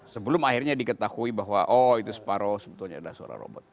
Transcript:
sebelum akhirnya diketahui bahwa oh itu separoh sebetulnya adalah suara robot